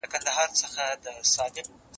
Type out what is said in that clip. که وخت وي، کالي وچوم؟!